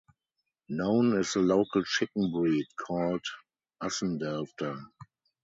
Known is the local chicken breed, called "Assendelfter".